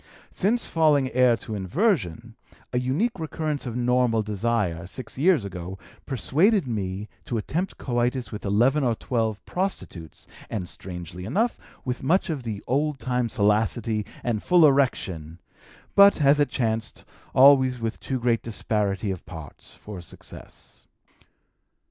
Since falling heir to inversion, a unique recurrence of normal desire, six years ago, persuaded me to attempt coitus with eleven or twelve prostitutes, and, strangely enough, with much of the old time salacity and full erection, but, as it chanced, always with too great disparity of parts for success."